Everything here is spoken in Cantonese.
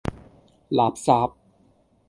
垃圾!